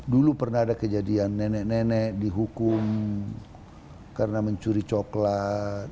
dulu pernah ada kejadian nenek nenek dihukum karena mencuri coklat